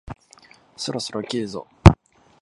そろそろ切るぞ？